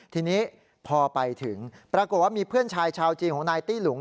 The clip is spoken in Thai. ทีนี้พอไปถึงปรากฏว่ามีเพื่อนชายชาวจีนของนายตี้หลุง